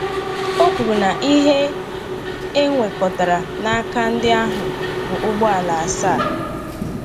O kwuru na ihe e nwèkọtara n'aka ndị ahụ bụ ụgbọala asaa